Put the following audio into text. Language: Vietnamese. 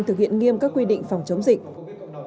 thực hiện nghiêm các quy định phòng chống dịch